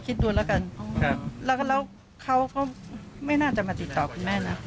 คิดดูแล้วกันแล้วเขาก็ไม่น่าจะมาติดต่อคุณแม่นะ